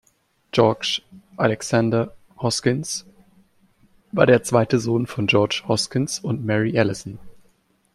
George Alexander Hoskins war der zweite Sohn von George Hoskins und Mary Alison.